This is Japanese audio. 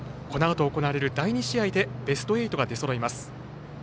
このあと行われる第２試合でベスト８が出そろいます。